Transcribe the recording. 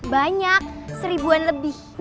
banyak seribuan lebih